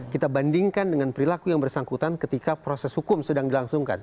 kita bandingkan dengan perilaku yang bersangkutan ketika proses hukum sedang dilangsungkan